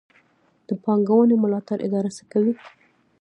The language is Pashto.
د پانګونې ملاتړ اداره څه کوي؟